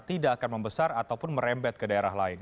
tidak akan membesar ataupun merembet ke daerah lain